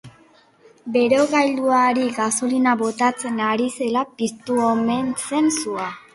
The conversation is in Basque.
Berogailuari gasolina botatzen ari zela piztu omen zen sua.